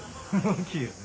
大きいよね。